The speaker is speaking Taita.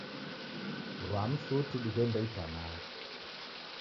Rwa msuti dighende itanaha.